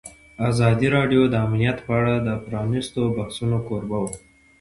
ازادي راډیو د امنیت په اړه د پرانیستو بحثونو کوربه وه.